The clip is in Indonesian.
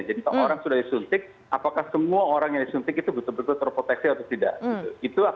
jadi kalau orang sudah disuntik apakah semua orang yang disuntik itu betul betul terproteksi atau tidak